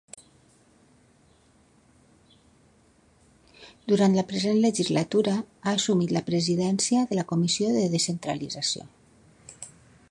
Durant la present legislatura ha assumit la Presidència de la Comissió de Descentralització.